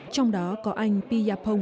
trong đó có anh pia phong